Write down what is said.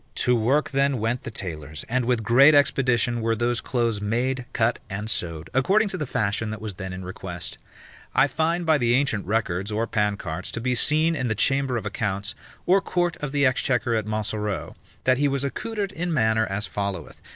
To work then went the tailors, and with great expedition were those clothes made, cut, and sewed, according to the fashion that was then in request. I find by the ancient records or pancarts, to be seen in the chamber of accounts, or court of the exchequer at Montsoreau, that he was accoutred in manner as followeth.